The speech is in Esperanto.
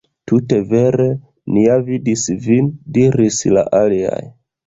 "Tute vere, ni ja vidis vin," diris la aliaj.